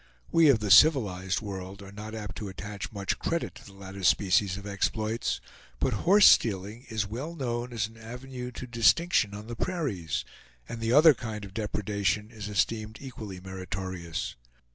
We of the civilized world are not apt to attach much credit to the latter species of exploits; but horse stealing is well known as an avenue to distinction on the prairies, and the other kind of depredation is esteemed equally meritorious.